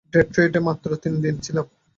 ডেট্রয়েটে মাত্র তিন দিন ছিলাম।